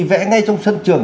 vẽ ngay trong sân trường